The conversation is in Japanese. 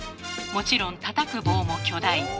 もちろんたたく棒も巨大。